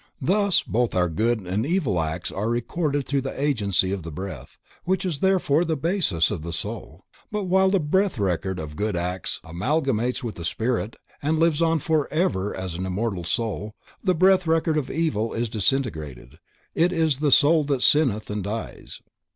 Thus both our good and evil acts are recorded through the agency of the breath, which is therefore the basis of the soul, but while the breath record of good acts amalgamates with the spirit and lives on forever as an immortal soul, the breath record of evil deeds is disintegrated; it is the soul that sinneth and dies.